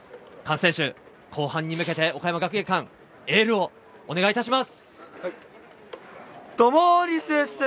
後半に向けて岡山学芸館にエールをお願いいたします。